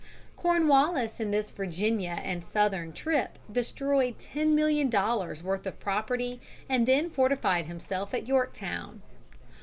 Cornwallis in this Virginia and Southern trip destroyed ten million dollars' worth of property, and then fortified himself at Yorktown.